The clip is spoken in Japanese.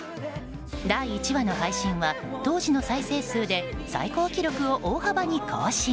第１話の配信は当時の再生数で最高記録を大幅に更新。